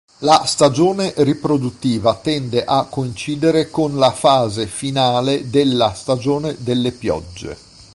La stagione riproduttiva tende a coincidere con la fase finale della stagione delle piogge.